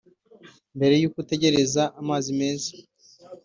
Mbere y’uko utekereza amazi meza